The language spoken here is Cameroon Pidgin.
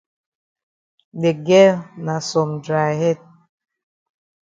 De girl na some dry head.